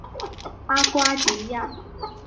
阿瓜迪亚。